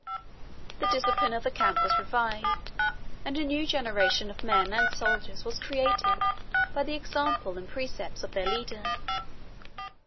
The discipline of the camp was revived, and a new generation of men and soldiers was created by the example and precepts of their leader.